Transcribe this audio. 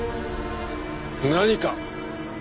何か？